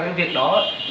với việc đó